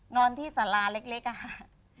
นอนที่สาราเล็กอะค่ะ